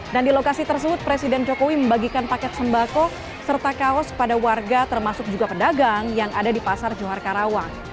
dan di lokasi tersebut presiden jokowi membagikan paket sembako serta kaos pada warga termasuk juga pedagang yang ada di pasar johar karawang